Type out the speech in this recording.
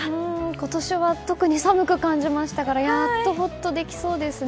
今年は特に寒く感じましたからやっとほっとできそうですね。